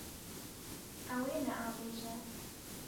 Ew ê neavêje.